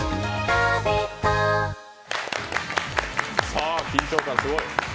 さあ緊張感すごい。